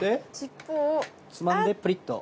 つまんでプリっと。